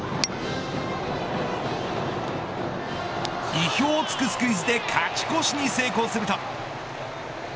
意表を突くスクイズで勝ち越しに成功すると。